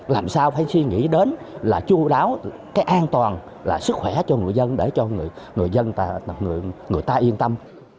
làm sao phải suy nghĩ đến là chú đáo cái an toàn là sức khỏe cho người dân để cho người dân người ta yên tâm